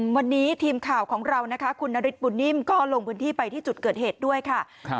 วันนี้ทีมข่าวของเรานะคะคุณนฤทธบุญนิ่มก็ลงพื้นที่ไปที่จุดเกิดเหตุด้วยค่ะ